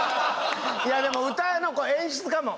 いや、でも、歌の演出かも。